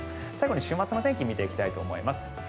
最後に週末の天気を見ていきたいと思います。